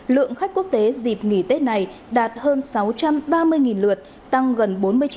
lượng khách quốc tế dịp nghỉ tết này đạt hơn sáu trăm ba mươi lượt tăng gần bốn mươi chín